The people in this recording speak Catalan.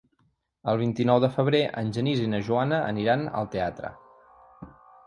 El vint-i-nou de febrer en Genís i na Joana aniran al teatre.